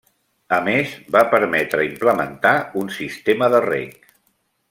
A més, va permetre implementar un sistema de rec.